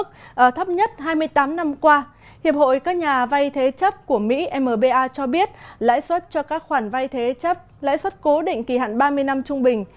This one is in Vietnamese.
các nhà vay thế chấp của mỹ cho biết lãi suất cho các khoản vay thế chấp lãi suất cố định kỳ hạn ba mươi năm trung bình